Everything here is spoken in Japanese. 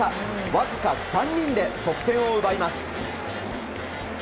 わずか３人で得点を奪います。